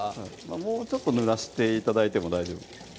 もうちょっとぬらして頂いても大丈夫です